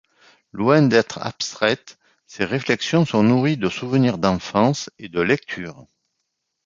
Loin d’être abstraites, ces réflexions sont nourries de souvenirs d’enfance et de lectures.